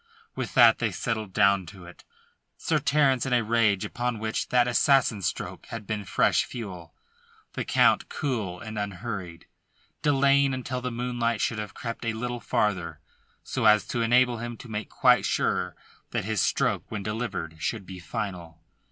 With that they settled down to it, Sir Terence in a rage upon which that assassin stroke had been fresh fuel; the Count cool and unhurried, delaying until the moonlight should have crept a little farther, so as to enable him to make quite sure that his stroke when delivered should be final.